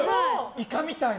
イカみたいに。